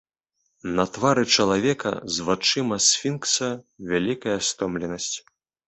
На твары чалавека з вачыма сфінкса вялікая стомленасць.